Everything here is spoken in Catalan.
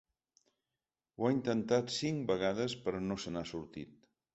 Ho ha intentat cinc vegades però no se n’ha sortit.